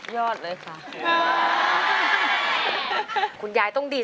ร้องได้ร้องได้